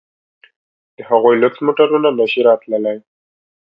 د هغوی لوکس موټرونه نه شي راتلای.